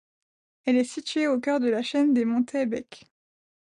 Elle est située au cœur de la chaine des monts Taebaek.